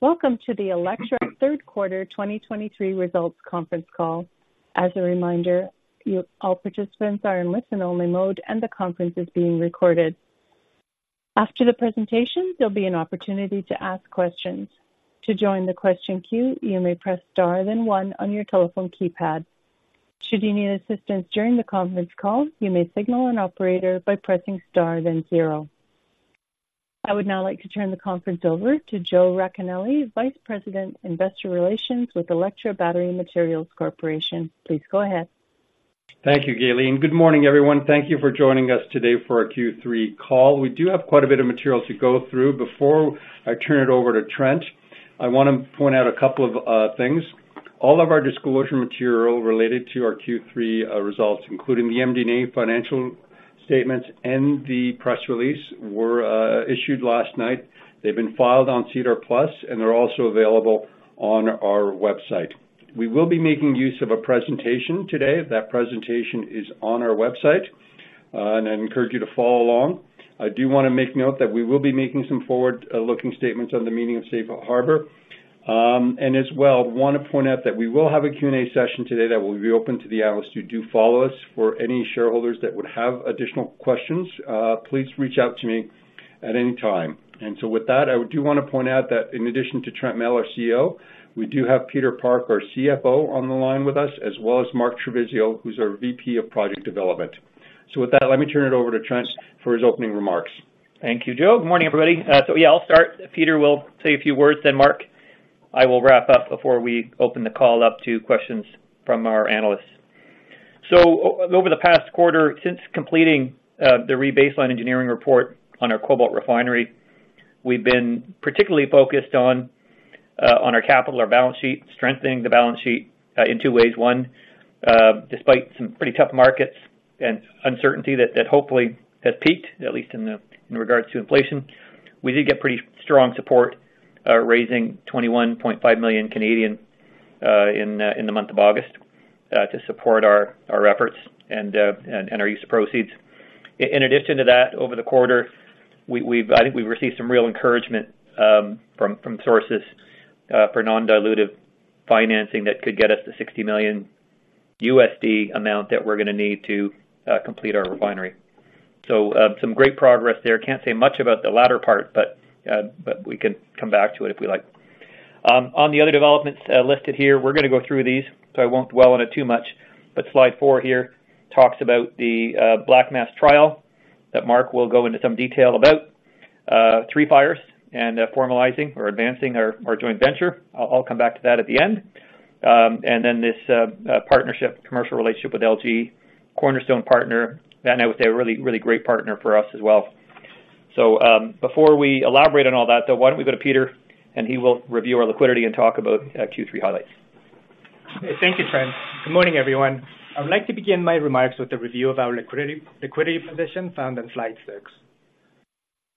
Welcome to the Electra third quarter 2023 results conference call. As a reminder, you all participants are in listen-only mode, and the conference is being recorded. After the presentation, there'll be an opportunity to ask questions. To join the question queue, you may press Star, then one on your telephone keypad. Should you need assistance during the conference call, you may signal an operator by pressing Star, then zero. I would now like to turn the conference over to Joe Racanelli, Vice President, Investor Relations with Electra Battery Materials Corporation. Please go ahead. Thank you, Jalene. Good morning, everyone. Thank you for joining us today for our Q3 call. We do have quite a bit of material to go through. Before I turn it over to Trent, I want to point out a couple of things. All of our disclosure material related to our Q3 results, including the MD&A, financial statements, and the press release, were issued last night. They've been filed on SEDAR+, and they're also available on our website. We will be making use of a presentation today. That presentation is on our website, and I encourage you to follow along. I do want to make note that we will be making some forward-looking statements within the meaning of Safe Harbor. And as well, want to point out that we will have a Q&A session today that will be open to the analyst who follow us. For any shareholders that would have additional questions, please reach out to me at any time. And so with that, I do want to point out that in addition to Trent Mell, our CEO, we do have Peter Park, our CFO, on the line with us, as well as Mark Trevisiol, who's our VP of Project Development. So with that, let me turn it over to Trent for his opening remarks. Thank you, Joe. Good morning, everybody. So, yeah, I'll start. Peter will say a few words, then Mark. I will wrap up before we open the call up to questions from our analysts. Over the past quarter, since completing the rebaseline engineering report on our cobalt refinery, we've been particularly focused on our capital, our balance sheet, strengthening the balance sheet in two ways. One, despite some pretty tough markets and uncertainty that hopefully has peaked, at least in regards to inflation, we did get pretty strong support, raising 21.5 million in the month of August to support our efforts and our use of proceeds. In addition to that, over the quarter, we've. I think we've received some real encouragement from sources for non-dilutive financing that could get us to $60 million amount that we're gonna need to complete our refinery. So, some great progress there. Can't say much about the latter part, but we can come back to it if we like. On the other developments listed here, we're gonna go through these, so I won't dwell on it too much. But slide four here talks about the black mass trial that Mark will go into some detail about, Three Fires and formalizing or advancing our joint venture. I'll come back to that at the end. And then this partnership, commercial relationship with LG, our cornerstone partner, that I would say a really, really great partner for us as well. So, before we elaborate on all that, though, why don't we go to Peter, and he will review our liquidity and talk about Q3 highlights. Thank you, Trent. Good morning, everyone. I would like to begin my remarks with a review of our liquidity position found on slide six.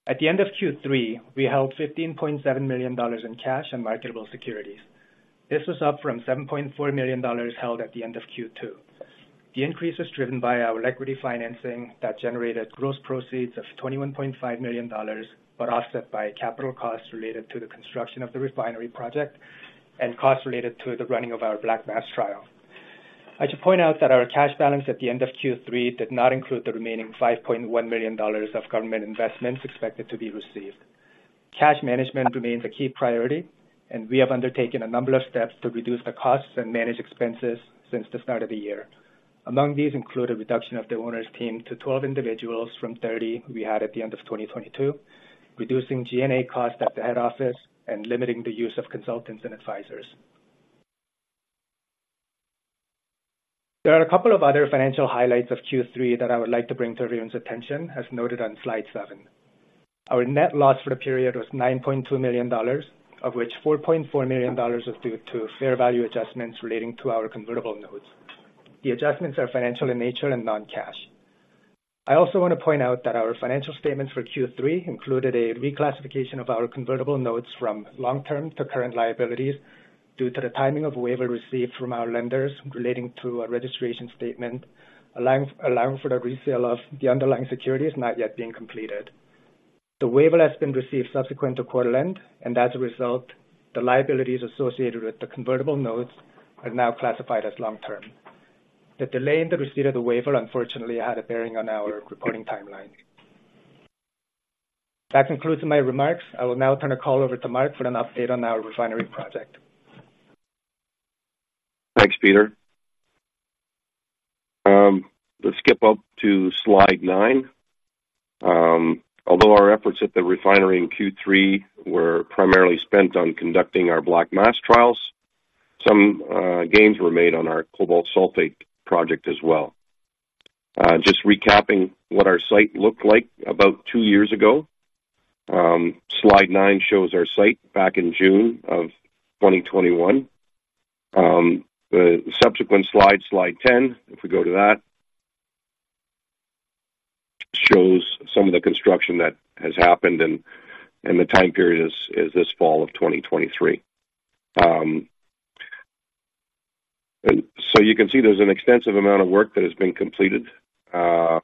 At the end of Q3, we held 15.7 million dollars in cash and marketable securities. This was up from 7.4 million dollars held at the end of Q2. The increase was driven by our equity financing that generated gross proceeds of 21.5 million dollars, but offset by capital costs related to the construction of the refinery project and costs related to running of our black mass trial. I should point out that our cash balance at the end of Q3 did not include the remaining 5.1 million dollars of government investments expected to be received. Cash management remains a key priority, and we have undertaken a number of steps to reduce the costs and manage expenses since the start of the year. Among these include a reduction of the owner's team to 12 individuals from 30 we had at the end of 2022, reducing G&A costs at the head office, and limiting the use of consultants and advisors. There are a couple of other financial highlights of Q3 that I would like to bring to everyone's attention, as noted on slide 7. Our net loss for the period was 9.2 million dollars, of which 4.4 million dollars was due to fair value adjustments relating to our convertible notes. The adjustments are financial in nature and non-cash. I also want to point out that our financial statements for Q3 included a reclassification of our convertible notes from long-term to current liabilities due to the timing of waiver received from our lenders relating to a registration statement allowing for the resale of the underlying securities not yet being completed. The waiver has been received subsequent to quarter end, and as a result, the liabilities associated with the convertible notes are now classified as long-term. The delay in the receipt of the waiver unfortunately had a bearing on our reporting timeline. That concludes my remarks. I will now turn the call over to Mark for an update on our refinery project. Thanks, Peter. Let's skip up to slide 9. Although our efforts at the refinery in Q3 were primarily spent on conducting our black mass trials, some gains were made on our cobalt sulfate project as well. Just recapping what our site looked like about two years ago. Slide 9 shows our site back in June of 2021. The subsequent slide, slide 10, if we go to that, shows some of the construction that has happened, and the time period is this fall of 2023. You can see there's an extensive amount of work that has been completed. You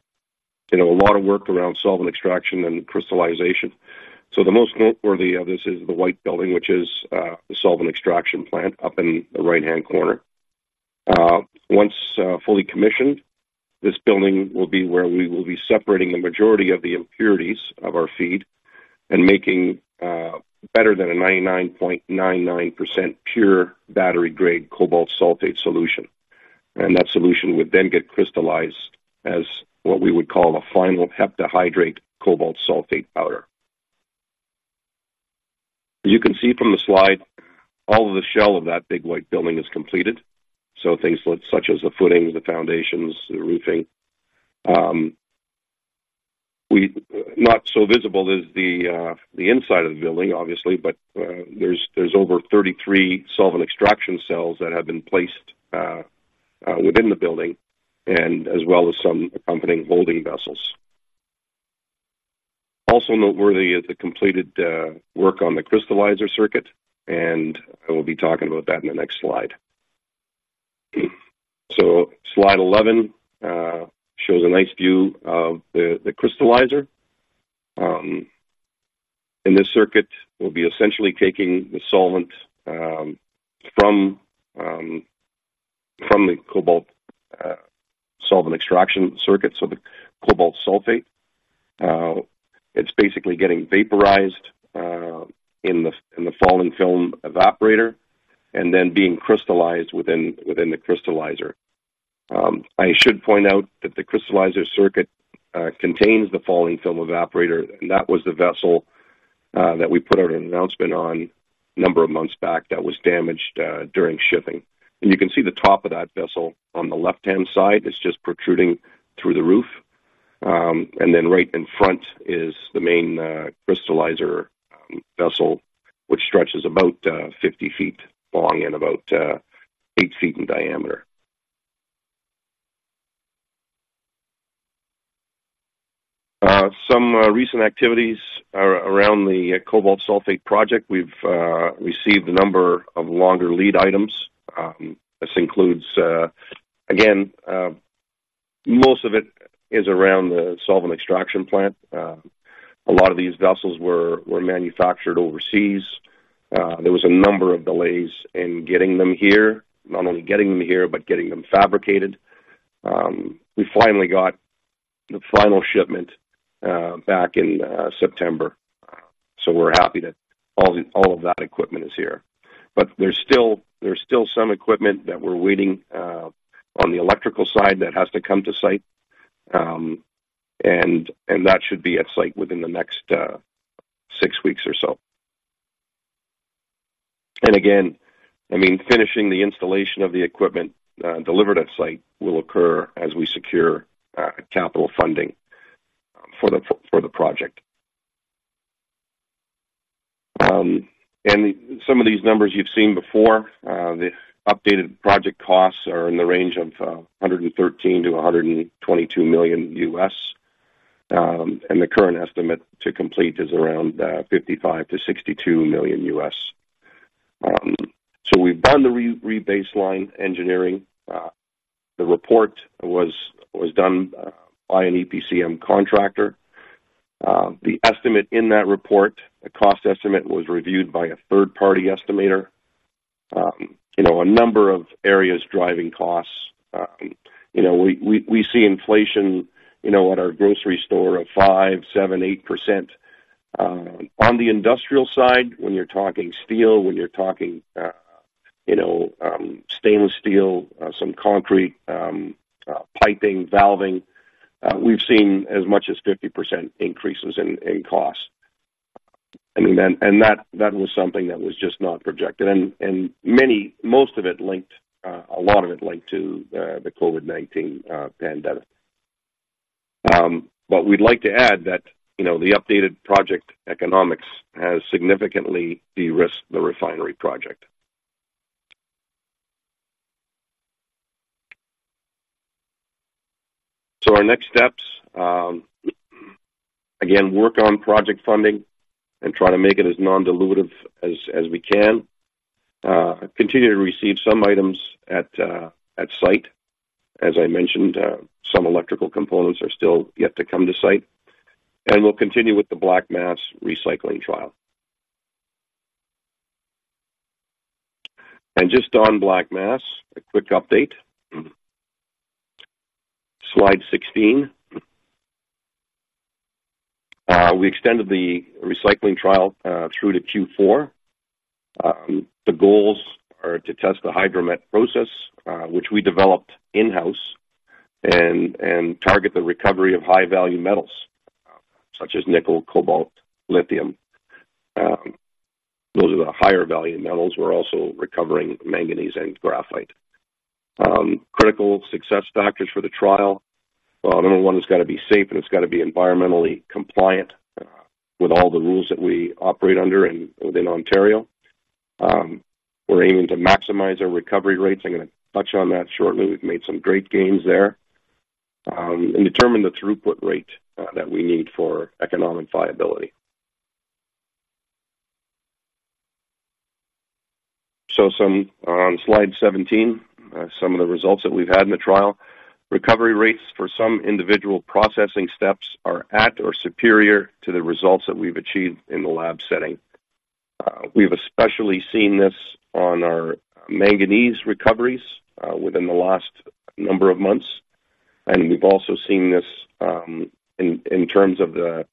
know, a lot of work around solvent extraction and crystallization. So the most noteworthy of this is the white building, which is the solvent extraction plant up in the right-hand corner. Once fully commissioned, this building will be where we will be separating the majority of the impurities from our feed and making better than a 99.99% pure battery-grade cobalt sulfate solution. And that solution would then get crystallized as what we would call a final heptahydrate cobalt sulfate powder. You can see from the slide, all of the shell of that big white building is completed, so things like, such as the footings, the foundations, the roofing. Not so visible is the inside of the building, obviously, but there's over 33 solvent extraction cells that have been placed within the building and as well as some accompanying holding vessels. Also noteworthy is the completed work on the crystallizer circuit, and I will be talking about that in the next slide. Slide 11 shows a nice view of the crystallizer. This circuit will be essentially taking the solvent from the cobalt solvent extraction circuit, so the cobalt sulfate. It's basically getting vaporized in the falling film evaporator and then being crystallized within the crystallizer. I should point out that the crystallizer circuit contains the falling film evaporator, and that was the vessel that we put out an announcement on a number of months back that was damaged during shipping. You can see the top of that vessel on the left-hand side. It's just protruding through the roof. And then right in front is the main crystallizer vessel, which stretches about 50 feet long and about 8 feet in diameter. Some recent activities are around the cobalt sulfate project. We've received a number of longer lead items. This includes, again, most of it is around the solvent extraction plant. A lot of these vessels were, were manufactured overseas. There was a number of delays in getting them here, not only getting them here, but getting them fabricated. We finally got the final shipment back in September, so we're happy that all, all of that equipment is here. But there's still some equipment that we're waiting on the electrical side that has to come to site, and, and that should be at the site within the next six weeks or so. Again, I mean, finishing the installation of the equipment delivered at site will occur as we secure capital funding for the project. Some of these numbers you've seen before. The updated project costs are in the range of $113 million-$122 million. The current estimate to complete is around $55 million-$62 million. So we've done the rebaseline engineering. The report was done by an EPCM contractor. The estimate in that report, the cost estimate, was reviewed by a third-party estimator. You know, a number of areas driving costs. You know, we see inflation, you know, at our grocery store of 5, 7, 8%. On the industrial side, when you're talking steel, when you're talking, you know, stainless steel, some concrete, piping, valving, we've seen as much as 50% increases in costs. I mean, that was something that was just not projected and many... Most of it linked, a lot of it linked to the COVID-19 pandemic. But we'd like to add that, you know, the updated project economics has significantly de-risked the refinery project. So our next steps, again, work on project funding and try to make it as non-dilutive as we can. Continue to receive some items at site. As I mentioned, some electrical components are still yet to come to site, and we'll continue with the black mass recycling trial. And just on black mass, a quick update. Slide 16. We extended the recycling trial through to Q4. The goals are to test the hydromet process, which we developed in-house and target the recovery of high-value metals, such as nickel, cobalt, lithium. Those are the higher-value metals. We're also recovering manganese and graphite. Critical success factors for the trial. Number one, it's got to be safe, and it's got to be environmentally compliant with all the rules that we operate under within Ontario. We're aiming to maximize our recovery rates. I'm gonna touch on that shortly. We've made some great gains there. And determine the throughput rate that we need for economic viability. So some on slide 17, some of the results that we've had in the trial. Recovery rates for some individual processing steps are at or superior to the results that we've achieved in the lab setting. We've especially seen this on our manganese recoveries within the last number of months, and we've also seen this in terms of the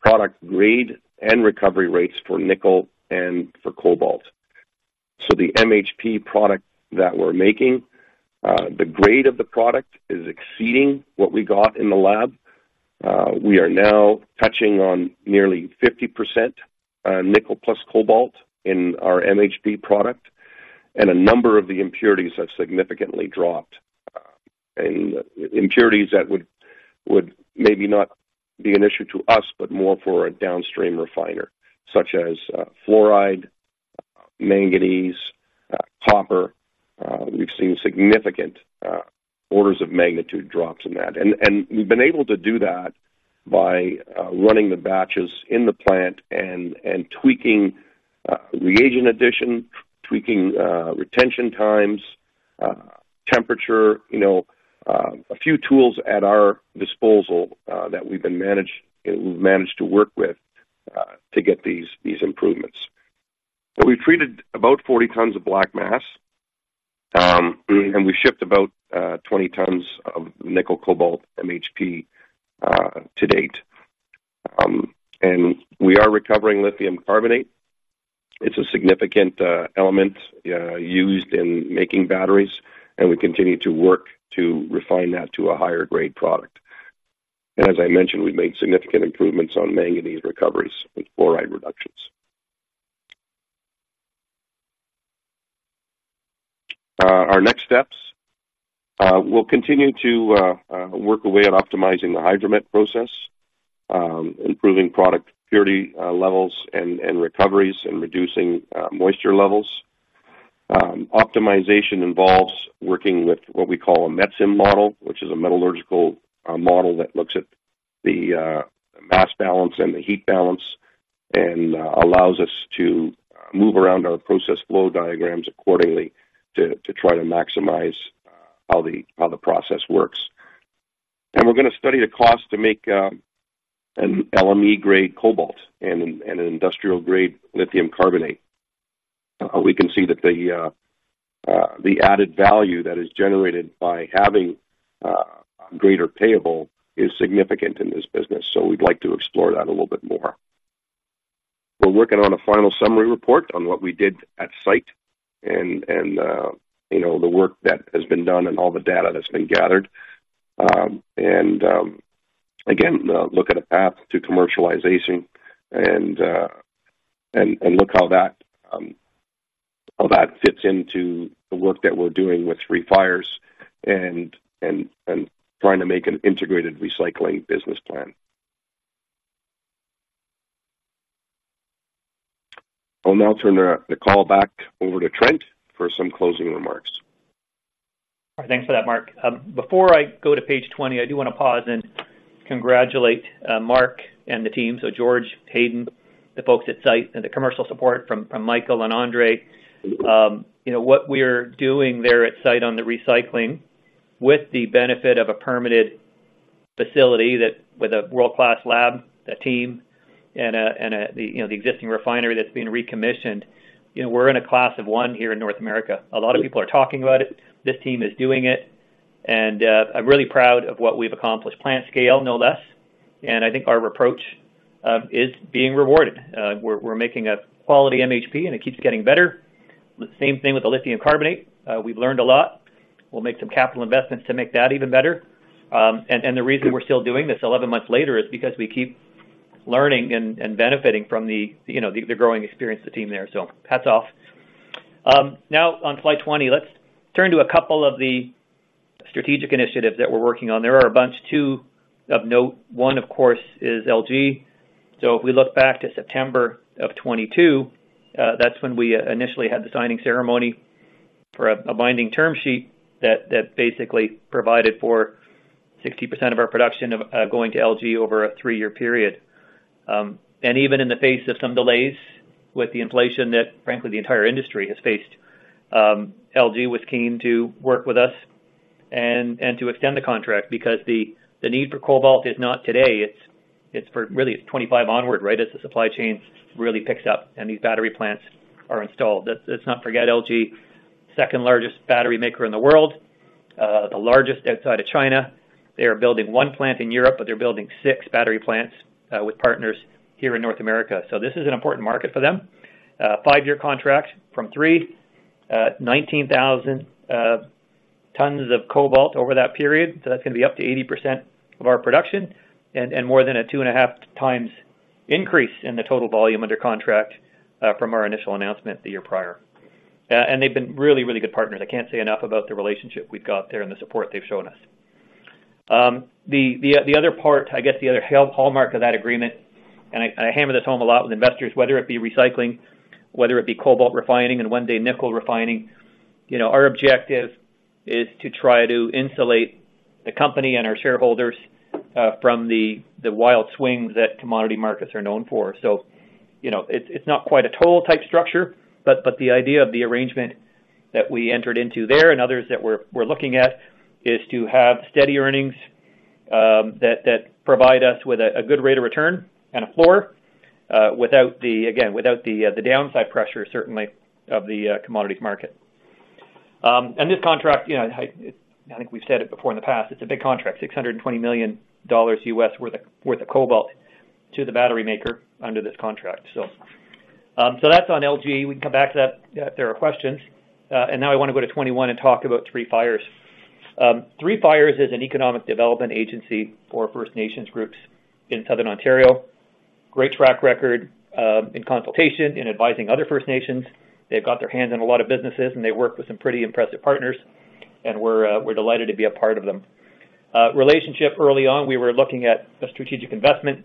product grade and recovery rates for nickel and for cobalt. So the MHP product that we're making, the grade of the product is exceeding what we got in the lab. We are now touching on nearly 50% nickel plus cobalt in our MHP product, and a number of the impurities have significantly dropped. And impurities that would maybe not be an issue to us, but more for a downstream refiner such as fluoride, manganese, copper. We've seen significant orders-of-magnitude drops in that. We've been able to do that by running the batches in the plant and tweaking reagent addition, tweaking retention times, temperature, you know, a few tools at our disposal that we've managed to work with to get these improvements. But we've treated about 40 tons of black mass, and we shipped about 20 tons of nickel, cobalt, MHP, to date. We are recovering lithium carbonate. It's a significant element used in making batteries, and we continue to work to refine that to a higher grade product. As I mentioned, we've made significant improvements on manganese recoveries and fluoride reductions. Our next steps, we'll continue to work our way at optimizing the hydromet process, improving product purity levels and recoveries, and reducing moisture levels. Optimization involves working with what we call a METSIM model, which is a metallurgical model that looks at the mass balance and the heat balance and allows us to move around our process flow diagrams accordingly to try to maximize how the process works. And we're gonna study the cost to make an LME-grade cobalt and an industrial-grade lithium carbonate. We can see that the added value that is generated by having greater payable is significant in this business, so we'd like to explore that a little bit more. We're working on a final summary report on what we did at site and, you know, the work that has been done and all the data that's been gathered. Look at a path to commercialization and look how that fits into the work that we're doing with Three Fires and trying to make an integrated recycling business plan. I'll now turn the call back over to Trent for some closing remarks. All right. Thanks for that, Mark. Before I go to page 20, I do wanna pause and congratulate Mark and the team, so George, Hayden, the folks at site, and the commercial support from Michael and Andre. You know, what we're doing there at site on the recycling, with the benefit of a permitted facility with a world-class lab, a team, and you know, the existing refinery that's being recommissioned, you know, we're in a class of one here in North America. A lot of people are talking about it. This team is doing it, and I'm really proud of what we've accomplished. Plant scale, no less, and I think our approach is being rewarded. We're making a quality MHP, and it keeps getting better. The same thing with the lithium carbonate. We've learned a lot. We'll make some capital investments to make that even better. The reason we're still doing this 11 months later is because we keep learning and benefiting from the, you know, the growing experience of the team there. So hats off. Now on slide 20, let's turn to a couple of the strategic initiatives that we're working on. There are a bunch, two of note. One, of course, is LG. So if we look back to September of 2022, that's when we initially had the signing ceremony for a binding term sheet that basically provided for 60% of our production going to LG over a 3-year period. And even in the face of some delays with the inflation that, frankly, the entire industry has faced, LG was keen to work with us and to extend the contract because the need for cobalt is not today, it's really 25 onward, right, as the supply chain really picks up and these battery plants are installed. Let's not forget LG, second-largest battery maker in the world and the largest outside of China. They are building one plant in Europe, but they're building six battery plants with partners here in North America. So this is an important market for them. Five-year contract from three, nineteen thousand tons of cobalt over that period, so that's gonna be up to 80% of our production and more than a 2.5-times increase in the total volume under contract from our initial announcement the year prior. And they've been really, really good partners. I can't say enough about the relationship we've got there and the support they've shown us. The other part, I guess, the other hallmark of that agreement, and I hammer this home a lot with investors, whether it be recycling, whether it be cobalt refining and one day nickel refining, you know, our objective is to try to insulate the company and our shareholders from the wild swings that commodity markets are known for. So, you know, it's not quite a toll-type structure, but the idea of the arrangement that we entered into there and others that we're looking at is to have steady earnings that provide us with a good rate of return and a floor without the, again, without the downside pressure certainly of the commodities market. And this contract, you know, I think we've said it before in the past, it's a big contract, $620 million worth of cobalt to the battery maker under this contract. So that's on LG. We can come back to that if there are questions. And now I wanna go to 21 and talk about Three Fires. Three Fires is an economic development agency for First Nations groups in Southern Ontario. Great track record in consultation in advising other First Nations. They've got their hands on a lot of businesses, and they work with some pretty impressive partners, and we're delighted to be a part of them. Relationship early on, we were looking at a strategic investment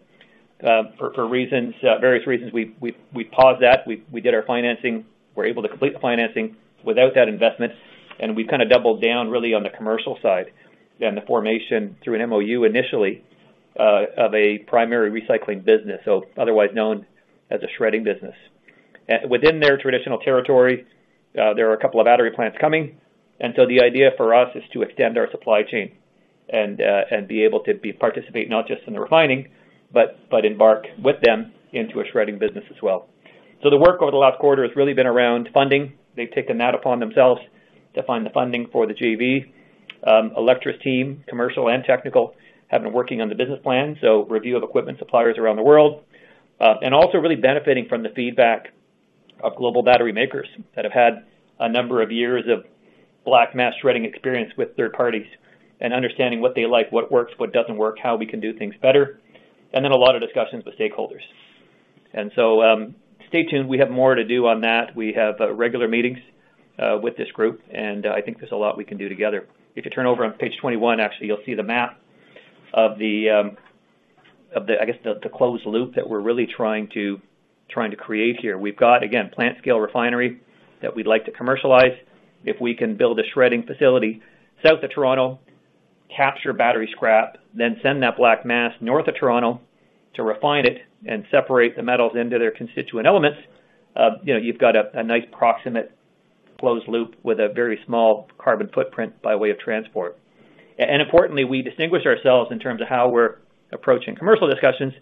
for various reasons, we paused that. We did our financing. We're able to complete the financing without that investment, and we kind of doubled down really on the commercial side and the formation through an MOU initially of a primary recycling business, so otherwise known as a shredding business. Within their traditional territory, there are a couple of battery plants coming, and so the idea for us is to extend our supply chain and be able to participate not just in the refining, but embark with them into a shredding business as well. So the work over the last quarter has really been around funding. They've taken that upon themselves to find the funding for the JV. Electra's team, commercial and technical, have been working on the business plan, so review of equipment suppliers around the world. And also really benefiting from the feedback of global battery makers that have had a number of years of black mass shredding experience with third parties and understanding what they like, what works, what doesn't work, how we can do things better, and then a lot of discussions with stakeholders. And so, stay tuned. We have more to do on that. We have regular meetings with this group, and I think there's a lot we can do together. If you turn over on page 21, actually, you'll see the map of the, I guess, the closed loop that we're really trying to create here. We've got, again, plant scale refinery that we'd like to commercialize. If we can build a shredding facility south of Toronto, capture battery scrap, then send that black mass north of Toronto to refine it and separate the metals into their constituent elements, you know, you've got a nice proximate closed loop with a very small carbon footprint by way of transport. And importantly, we distinguish ourselves in terms of how we're approaching commercial discussions,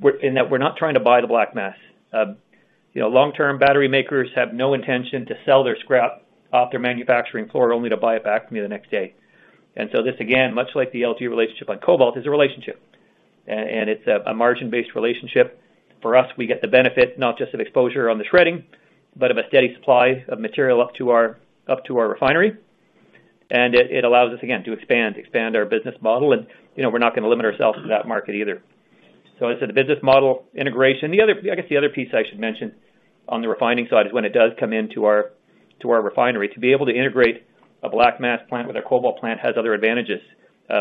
we're... in that we're not trying to buy the black mass. You know, long-term battery makers have no intention to sell their scrap off their manufacturing floor, only to buy it back maybe the next day. And so this, again, much like the LG relationship on cobalt, is a relationship, and it's a margin-based relationship. For us, we get the benefit, not just of exposure on the shredding, but of a steady supply of material up to our refinery. And it allows us, again, to expand our business model, and, you know, we're not gonna limit ourselves to that market either. So I said the business model integration. The other, I guess, the other piece I should mention on the refining side is when it does come into our, to our refinery, to be able to integrate a black mass plant with a cobalt plant has other advantages.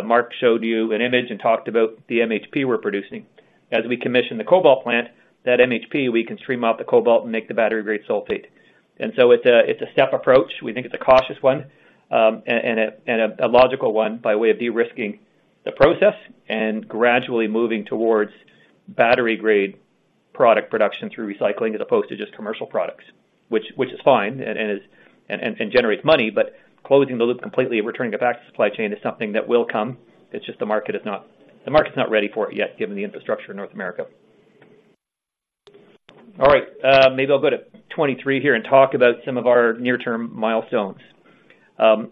Mark showed you an image and talked about the MHP we're producing. As we commission the cobalt plant, that MHP, we can stream out the cobalt and make the battery-grade sulfate. And so it's a step approach. We think it's a cautious one, and a logical one by way of de-risking the process and gradually moving towards battery-grade product production through recycling, as opposed to just commercial products, which is fine and generates money. But closing the loop completely and returning it back to the supply chain is something that will come. It's just the market is not... The market's not ready for it yet, given the infrastructure in North America. All right, maybe I'll go to 23 here and talk about some of our near-term milestones.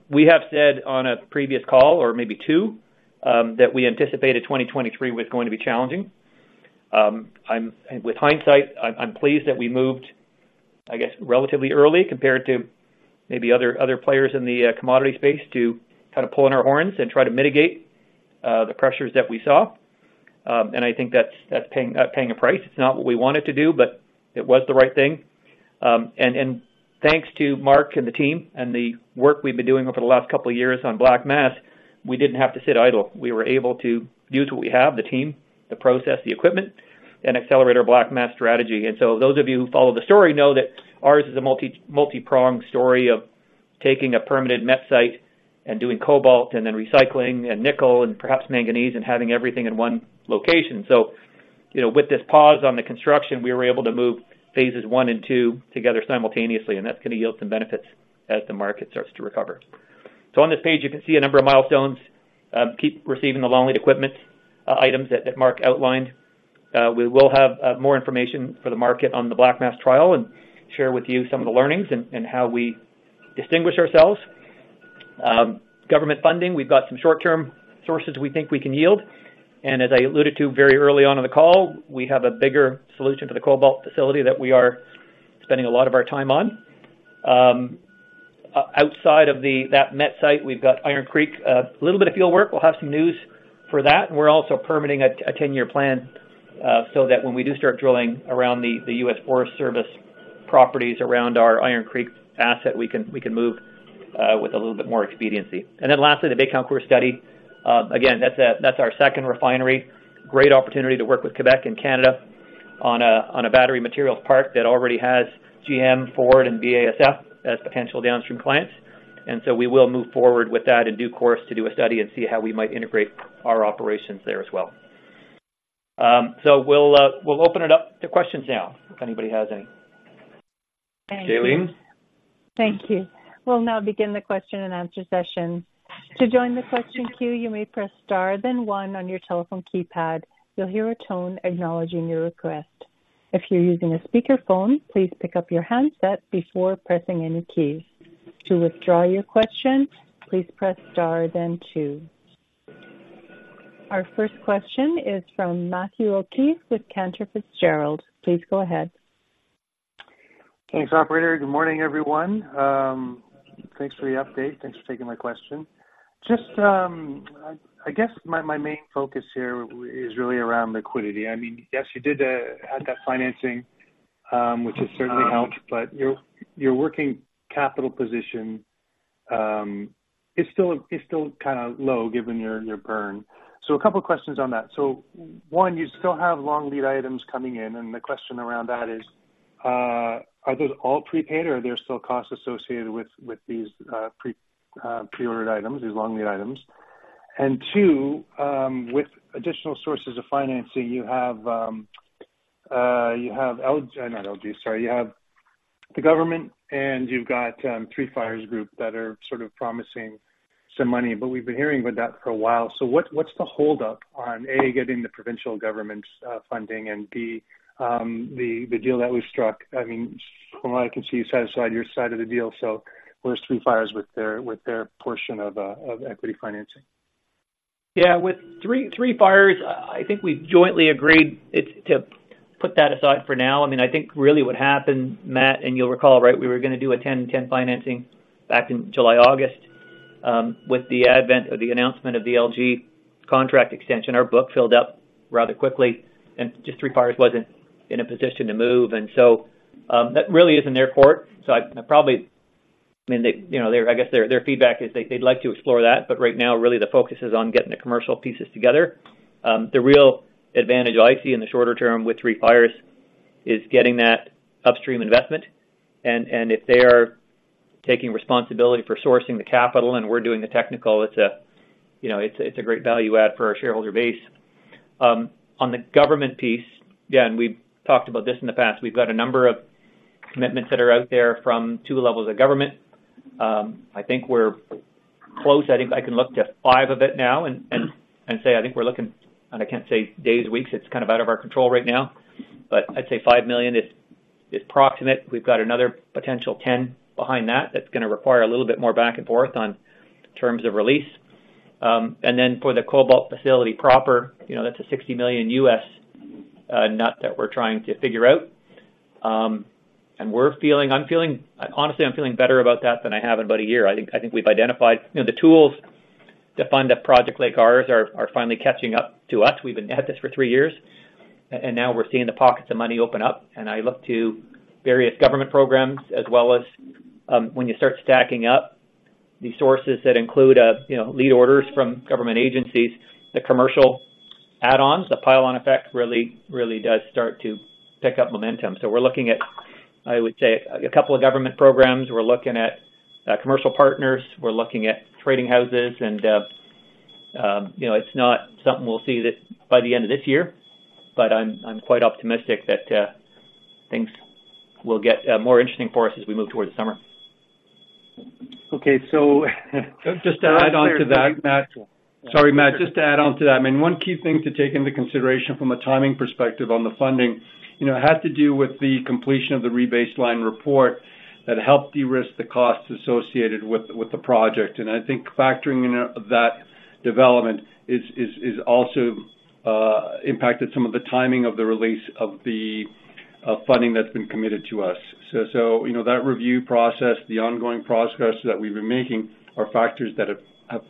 We have said on a previous call, or maybe two, that we anticipated 2023 was going to be challenging. And with hindsight, I'm pleased that we moved, I guess, relatively early compared to maybe other players in the commodity space, to kind of pull on our horns and try to mitigate the pressures that we saw. And I think that's paying a price. It's not what we wanted to do, but it was the right thing. And thanks to Mark and the team and the work we've been doing over the last couple of years on black mass, we didn't have to sit idle. We were able to use what we have, the team, the process, the equipment, and accelerate our black mass strategy. And so those of you who follow the story know that ours is a multi-pronged story of taking a permitted met site and doing cobalt and then recycling and nickel and perhaps manganese and having everything in one location. So, you know, with this pause on the construction, we were able to move phases one and two together simultaneously, and that's gonna yield some benefits as the market starts to recover. So on this page, you can see a number of milestones, keep receiving the long-lead equipment items that Mark outlined. We will have more information for the market on the black mass trial and share with you some of the learnings and how we distinguish ourselves. Government funding, we've got some short-term sources we think we can yield, and as I alluded to very early on in the call, we have a bigger solution for the cobalt facility that we are spending a lot of our time on. Outside of that met site, we've got Iron Creek, a little bit of field work. We'll have some news for that, and we're also permitting a 10-year plan, so that when we do start drilling around the U.S. Forest Service properties around our Iron Creek asset, we can move with a little bit more expediency. And then lastly, the Bécancour study. Again, that's our second refinery. Great opportunity to work with Quebec and Canada on a battery materials park that already has GM, Ford, and BASF as potential downstream clients. And so we will move forward with that in due course to do a study and see how we might integrate our operations there as well. So we'll open it up to questions now, if anybody has any. Jalene? Thank you. We'll now begin the question and answer session. To join the question queue, you may press Star, then one on your telephone keypad. You'll hear a tone acknowledging your request. If you're using a speakerphone, please pick up your handset before pressing any keys. To withdraw your question, please press Star then Two. Our first question is from Matthew O'Keefe with Cantor Fitzgerald. Please go ahead. Thanks, operator. Good morning, everyone. Thanks for the update. Thanks for taking my question. Just, I guess my main focus here is really around liquidity. I mean, yes, you did have that financing, which has certainly helped, but your working capital position is still kind of low given your burn. So a couple of questions on that. So one, you still have long lead items coming in, and the question around that is, are those all prepaid, or are there still costs associated with these pre-ordered items, these long lead items? And two, with additional sources of financing, you have, you have LG, not LG, sorry, you have the government, and you've got, Three Fires Group that are sort of promising some money, but we've been hearing about that for a while. So what, what's the hold up on, A, getting the provincial government's, funding and, B, the, the deal that we've struck? I mean, from what I can see, you satisfied your side of the deal, so where's Three Fires with their, with their portion of, of equity financing? Yeah, with Three Fires, I think we jointly agreed to put that aside for now. I mean, I think really what happened, Matt, and you'll recall, right, we were gonna do a 10 and 10 financing back in July, August. With the advent of the announcement of the LG contract extension, our book filled up rather quickly, and just Three Fires wasn't in a position to move. And so, that really is in their court. So I probably, I mean, they, you know, I guess their feedback is they, they'd like to explore that, but right now, really, the focus is on getting the commercial pieces together. The real advantage I see in the shorter term with Three Fires is getting that upstream investment. If they are taking responsibility for sourcing the capital and we're doing the technical, it's, you know, a great value add for our shareholder base. On the government piece, yeah, and we've talked about this in the past. We've got a number of commitments that are out there from two levels of government. I think we're close. I think I can look to five of it now and say, I think we're looking, and I can't say days or weeks, it's kind of out of our control right now, but I'd say 5 million is proximate. We've got another potential 10 million behind that. That's gonna require a little bit more back and forth on terms of release. And then for the cobalt facility proper, you know, that's a $60 million nut that we're trying to figure out. And we're feeling. I'm feeling, honestly, I'm feeling better about that than I have in about a year. I think we've identified, you know, the tools to fund a project like ours are finally catching up to us. We've been at this for three years, and now we're seeing the pockets of money open up, and I look to various government programs as well as, when you start stacking up the sources that include, you know, lead orders from government agencies, the commercial add-ons, the pile-on effect, really, really does start to pick up momentum. So we're looking at, I would say, a couple of government programs. We're looking at commercial partners, we're looking at trading houses, and, you know, it's not something we'll see that by the end of this year, but I'm quite optimistic that things will get more interesting for us as we move towards the summer. Okay, so, Just to add on to that, Matt. Sorry, Matt, just to add on to that, I mean, one key thing to take into consideration from a timing perspective on the funding, you know, had to do with the completion of the rebaseline report that helped de-risk the costs associated with the project. And I think factoring in that development is also impacted some of the timing of the release of the funding that's been committed to us. So, you know, that review process, the ongoing progress that we've been making, are factors that have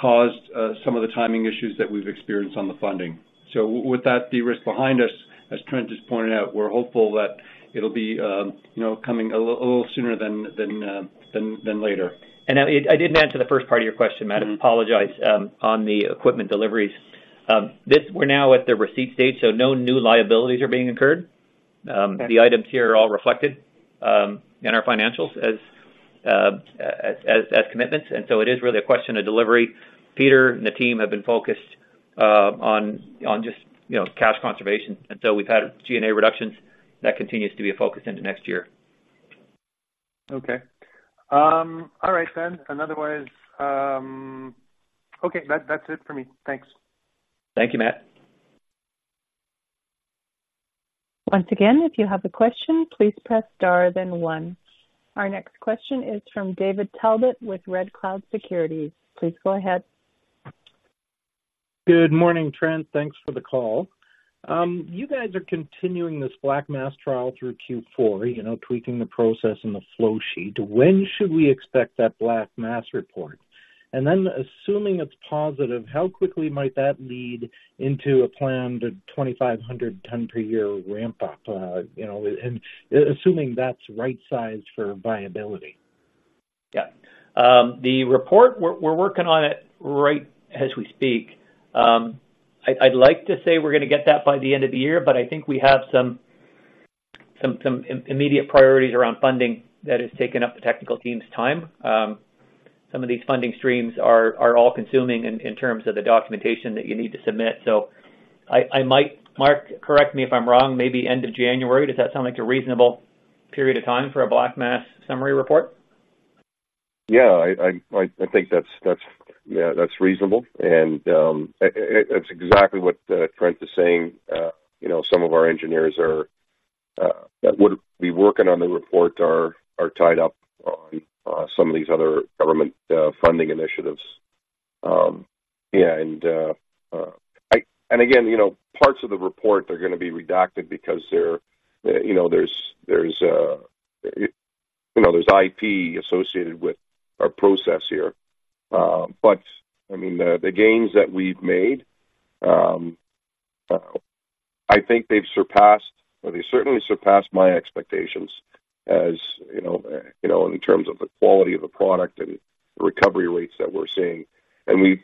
caused some of the timing issues that we've experienced on the funding. So with that de-risk behind us, as Trent just pointed out, we're hopeful that it'll be, you know, coming a little sooner than later. And I didn't answer the first part of your question, Matt. I apologize on the equipment deliveries. This, we're now at the receipt stage, so no new liabilities are being incurred. The items here are all reflected in our financials as commitments, and so it is really a question of delivery. Peter and the team have been focused on just, you know, cash conservation, and so we've had G&A reductions. That continues to be a focus into next year. Okay. All right, then. And otherwise, okay, that, that's it for me. Thanks. Thank you, Matt. Once again, if you have a question, please press Star, then one. Our next question is from David Talbot with Red Cloud Securities. Please go ahead. Good morning, Trent. Thanks for the call. You guys are continuing this black mass trial through Q4, you know, tweaking the process and the flow sheet. When should we expect that black mass report? And then assuming it's positive, how quickly might that lead into a planned 2,500 ton per year ramp up, you know, and assuming that's right sized for viability?... Yeah. The report, we're working on it right as we speak. I'd like to say we're gonna get that by the end of the year, but I think we have some immediate priorities around funding that has taken up the technical team's time. Some of these funding streams are all-consuming in terms of the documentation that you need to submit. So I might, Mark, correct me if I'm wrong, maybe end of January. Does that sound like a reasonable period of time for a black mass summary report? Yeah, I think that's reasonable. And that's exactly what Trent is saying. You know, some of our engineers that would be working on the report are tied up on some of these other government funding initiatives. Yeah, and again, you know, parts of the report are gonna be redacted because they're, you know, there's IP associated with our process here. But I mean, the gains that we've made, I think they've surpassed, or they certainly surpassed my expectations, you know, in terms of the quality of the product and the recovery rates that we're seeing.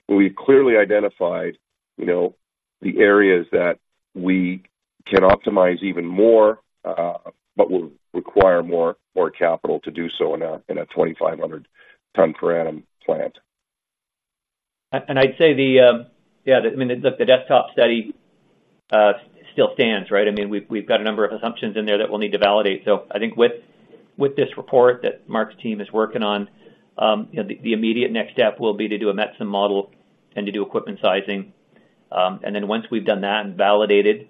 We've clearly identified, you know, the areas that we can optimize even more, but will require more capital to do so in a 2,500-ton per annum plant. And I'd say the, yeah, the, I mean, look, the desktop study still stands, right? I mean, we've, we've got a number of assumptions in there that we'll need to validate. So I think with, with this report that Mark's team is working on, you know, the, the immediate next step will be to do a METSIM model and to do equipment sizing. And then once we've done that and validated,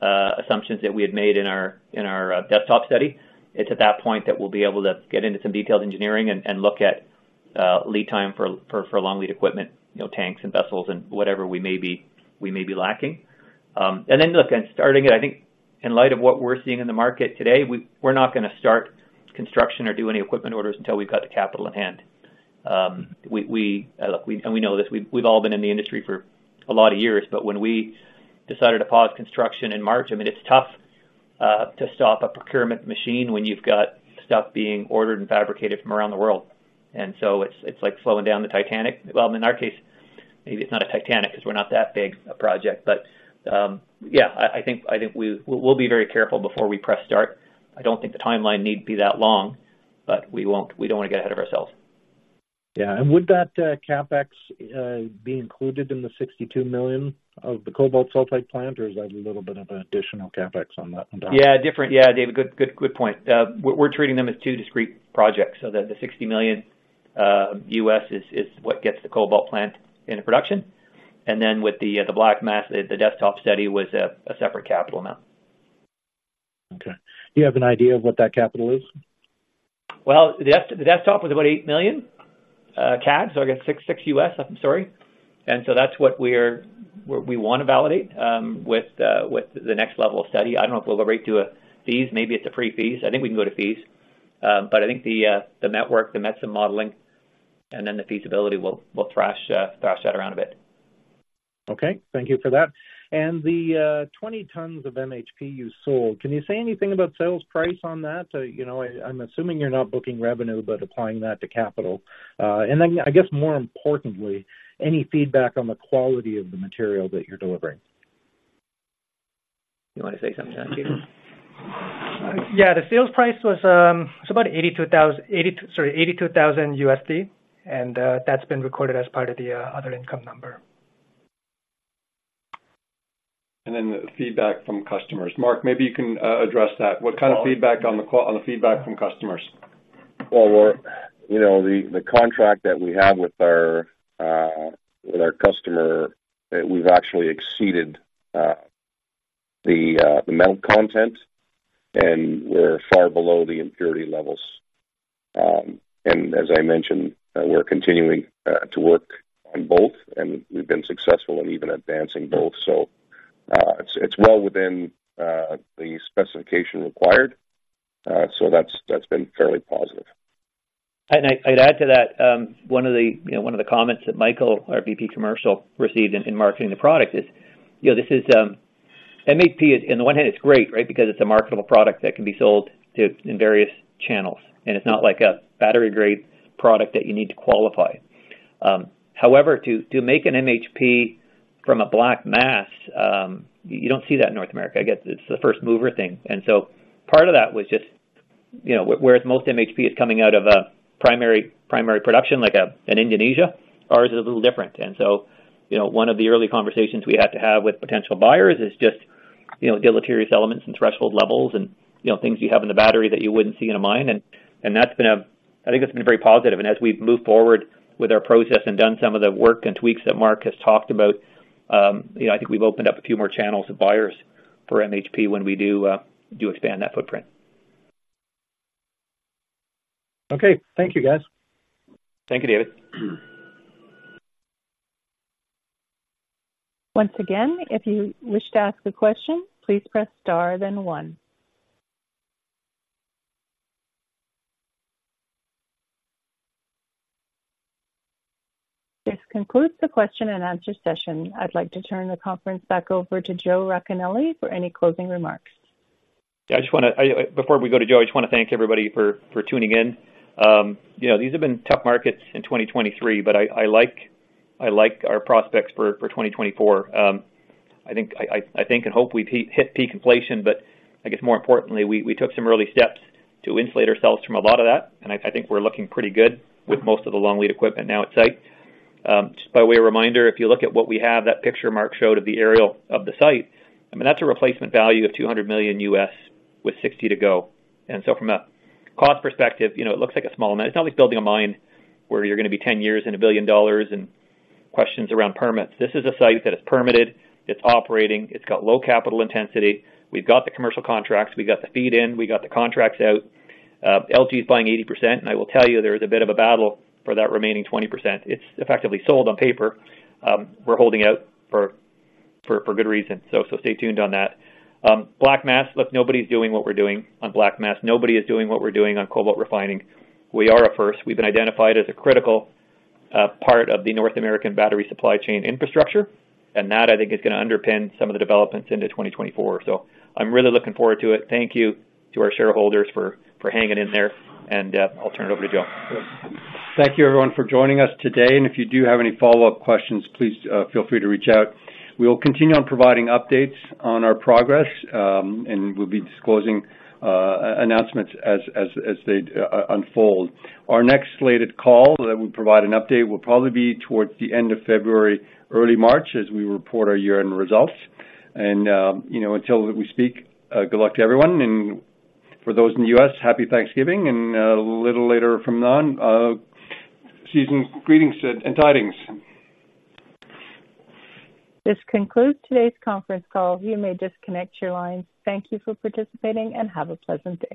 assumptions that we had made in our, in our, desktop study, it's at that point that we'll be able to get into some detailed engineering and, and look at, lead time for, for, for long lead equipment, you know, tanks and vessels and whatever we may be, we may be lacking. And then, in light of what we're seeing in the market today, I think we're not gonna start construction or do any equipment orders until we've got the capital in hand. We know this. We've all been in the industry for a lot of years, but when we decided to pause construction in March, I mean, it's tough to stop a procurement machine when you've got stuff being ordered and fabricated from around the world. And so it's like slowing down the Titanic. Well, in our case, maybe it's not a Titanic because we're not that big a project. But I think we'll be very careful before we press start. I don't think the timeline need be that long, but we won't, we don't wanna get ahead of ourselves. Yeah. Would that CapEx be included in the 62 million of the cobalt sulfate plant, or is that a little bit of an additional CapEx on that, on top? Yeah, different. Yeah, David, good, good, good point. We're treating them as two discrete projects, so that the $60 million is what gets the cobalt plant into production. And then, with the black mass, the desktop study was a separate capital amount. Okay. Do you have an idea of what that capital is? Well, the desktop was about 8 million CAD, so I guess $6 million. I'm sorry. And so that's what we're, we wanna validate with with the next level of study. I don't know if we'll go right to a Feas. Maybe it's a Pre-Feas. I think we can go to Feas. But I think the, the network, the METSIM modeling, and then the feasibility will, will thrash that around a bit. Okay. Thank you for that. And the 20 tons of MHP you sold, can you say anything about sales price on that? You know, I, I'm assuming you're not booking revenue, but applying that to capital. And then, I guess, more importantly, any feedback on the quality of the material that you're delivering? You want to say something on that, Peter? Yeah, the sales price was, it was about $82,000... Sorry, $82,000, and, that's been recorded as part of the other income number. And then the feedback from customers. Mark, maybe you can address that. What kind of feedback on the feedback from customers? Well, we're, you know, the contract that we have with our customer, we've actually exceeded the metal content, and we're far below the impurity levels. And as I mentioned, we're continuing to work on both, and we've been successful in even advancing both. So, it's well within the specification required. So that's been fairly positive. And I'd add to that, one of the, you know, one of the comments that Michael, our VP Commercial, received in marketing the product is, you know, this is, MHP, on the one hand, it's great, right? Because it's a marketable product that can be sold in various channels, and it's not like a battery-grade product that you need to qualify. However, to make an MHP from a black mass, you don't see that in North America. I guess it's the first-mover thing. And so part of that was just, you know, whereas most MHP is coming out of a primary production, like in Indonesia, ours is a little different. And so, you know, one of the early conversations we had to have with potential buyers is just, you know, deleterious elements and threshold levels and, you know, things you have in the battery that you wouldn't see in a mine. And that's been a, I think, very positive. And as we've moved forward with our process and done some of the work and tweaks that Mark has talked about, you know, I think we've opened up a few more channels of buyers for MHP when we do expand that footprint. Okay. Thank you, guys. Thank you, David. Once again, if you wish to ask a question, please press Star then One. This concludes the question and answer session. I'd like to turn the conference back over to Joe Racanelli for any closing remarks. I just wanna before we go to Joe, I just wanna thank everybody for tuning in. You know, these have been tough markets in 2023, but I like our prospects for 2024. I think and hope we hit peak inflation, but I guess more importantly, we took some early steps to insulate ourselves from a lot of that, and I think we're looking pretty good with most of the long-lead equipment now at site. Just by way of reminder, if you look at what we have, that picture Mark showed of the aerial of the site, I mean, that's a replacement value of $200 million, with $60 million to go. And so from a cost perspective, you know, it looks like a small amount. It's not like building a mine where you're gonna be 10 years and $1 billion and questions around permits. This is a site that is permitted, it's operating, it's got low capital intensity. We've got the commercial contracts, we've got the feed in, we've got the contracts out. LG is buying 80%, and I will tell you, there is a bit of a battle for that remaining 20%. It's effectively sold on paper. We're holding out for, for, for good reason, so, so stay tuned on that. Black mass. Look, nobody's doing what we're doing on black mass. Nobody is doing what we're doing on cobalt refining. We are a first. We've been identified as a critical part of the North American battery supply chain infrastructure, and that, I think, is gonna underpin some of the developments into 2024. I'm really looking forward to it. Thank you to our shareholders for hanging in there, and I'll turn it over to Joe. Thank you, everyone, for joining us today, and if you do have any follow-up questions, please, feel free to reach out. We will continue on providing updates on our progress, and we'll be disclosing announcements as they unfold. Our next slated call that we provide an update, will probably be towards the end of February, early March, as we report our year-end results. And, you know, until we speak, good luck to everyone, and for those in the US, Happy Thanksgiving, and a little later from then, season's greetings and tidings. This concludes today's conference call. You may disconnect your lines. Thank you for participating, and have a pleasant day.